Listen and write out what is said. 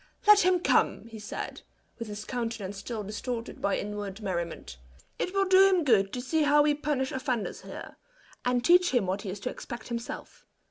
"Let him come," he said, with his countenance still distorted by inward merriment; "It will do him good to see how we punish offenders here, and teach him what he is to expect himself.